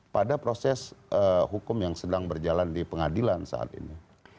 pada proses hukum yang sedang berjalan di pengadilan saat ini